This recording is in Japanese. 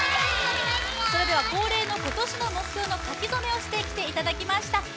恒例の今年の目標の書き初めをしてきていただきました。